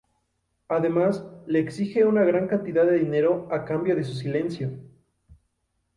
Además, le exige una gran cantidad de dinero a cambio de su silencio.